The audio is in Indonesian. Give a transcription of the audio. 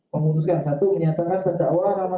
memutuskan satu menyatakan terdakwa rahmat kadir mohon lepih